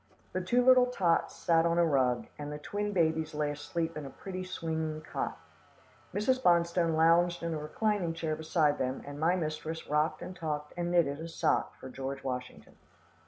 The two little tots sat on a rug, and the twin babies lay asleep in a pretty swinging cot. Mrs. Bonstone lounged in a reclining chair beside them, and my mistress rocked and talked and knitted a sock for George Washington.